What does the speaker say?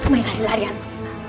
mari lari lari anu